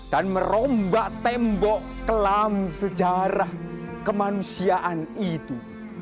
dan merombak tembok kelam sejarah kemanusiaan itu